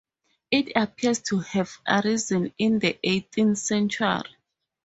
It appears to have arisen in the eighteenth century.